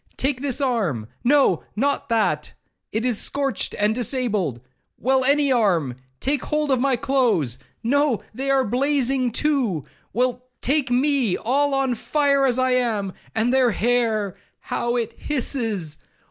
—Take this arm—no, not that, it is scorched and disabled—well, any arm—take hold of my clothes—no, they are blazing too!—Well, take me all on fire as I am!—And their hair, how it hisses!